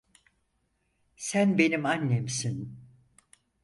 Sen benim annemsin.